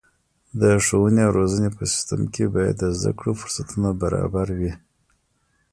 د ښوونې او روزنې په سیستم کې باید د زده کړو فرصتونه برابره وي.